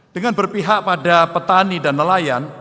dengan berpihak pada petani dan nelayan